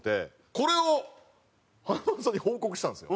これを華丸さんに報告したんですよ。